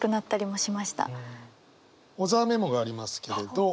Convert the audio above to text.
小沢メモがありますけれど。